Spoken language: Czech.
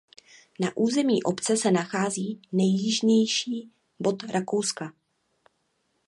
Na území obce se nachází nejjižnější bod Rakouska.